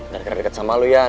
gara gara deket sama lo yan